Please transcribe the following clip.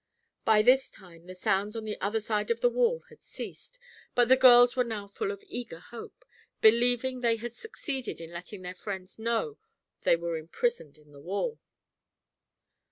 By this time the sounds on the other side of the wall had ceased; but the girls were now full of eager hope, believing they had succeeded in letting their friends know they were imprisoned in the wall.